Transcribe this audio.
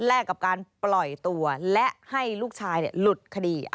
กับการปล่อยตัวและให้ลูกชายหลุดคดี